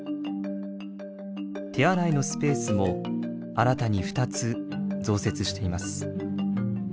手洗いのスペースも新たに２つ増設しています。